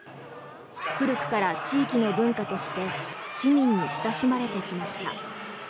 古くから地域の文化として市民に親しまれてきました。